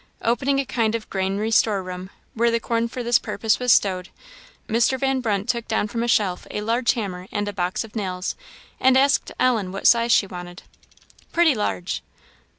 Opening a kind of granary store room, where the corn for this purpose was stowed, Mr. Van Brunt took down from a shelf a large hammer and a box of nails, and asked Ellen what size she wanted. "Pretty large."